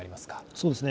そうですね。